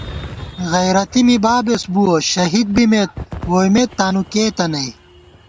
غیرَتی می بابېس بُوَہ شہید بِمېت ووئیمېت تانُو کېتہ نئ